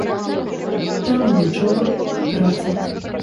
Там і вучоба, і праца.